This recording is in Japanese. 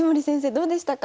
どうでしたか？